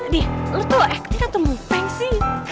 nih lo tuh acting atau mukteng sih